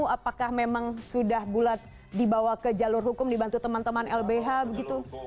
apakah memang sudah bulat dibawa ke jalur hukum dibantu teman teman lbh begitu